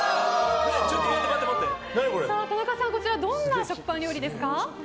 田中さん、こちらはどんな食パン料理ですか？